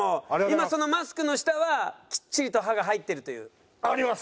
今そのマスクの下はきっちりと歯が入ってるという？あります。